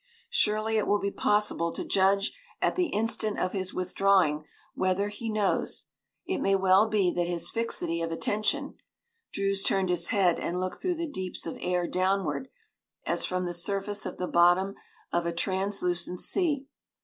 Surely it will be possible to judge at the instant of his withdrawing whether he knows. It may well be that his fixity of attention Druse turned his head and looked through the deeps of air downward as from the surface of the bottom of a translucent sea.